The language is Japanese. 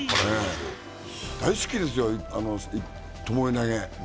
大好きですよ、ともえ投げ。